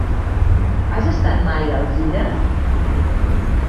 Has estat mai a Alzira?